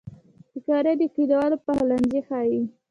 پکورې د کلیوالو پخلنځی ښيي